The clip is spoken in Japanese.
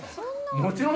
もちろん。